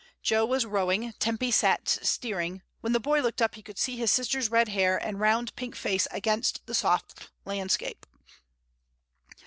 Jo was rowing, Tempy sat steering; when the boy looked up he could see his sister's red hair and round pink face against the soft landscape.